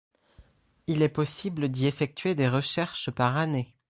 Il est possible d'y effectuer des recherches par année.